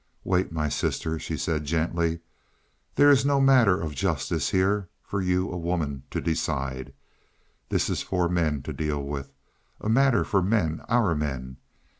"Wait, my sister," she said gently. "There is no matter of justice here for you, a woman to decide. This is for men to deal with a matter for men our men.